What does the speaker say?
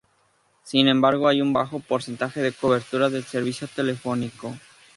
Sin embargo hay un bajo porcentaje de cobertura del servicio telefónico.